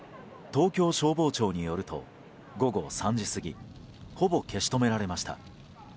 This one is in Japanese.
東京消防庁によると午後３時過ぎほぼ消し止められました。